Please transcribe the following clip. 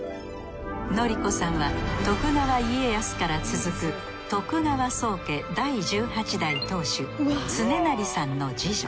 典子さんは川家康から続く川宗家第１８代当主恒孝さんの次女。